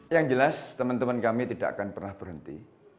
yang jelas teman teman kami tidak akan pernah berhenti